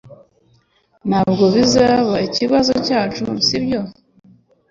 Ntabwo bizaba ikibazo cyacu, sibyo?